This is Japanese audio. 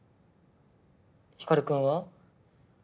光君は？